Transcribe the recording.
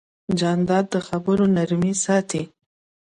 جانداد د خبرو نرمي ساتي.